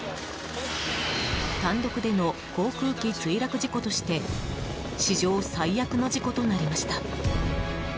単独での航空機墜落事故として史上最悪の事故となりました。